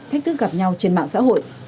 thách thức gặp nhau trên mạng xã hội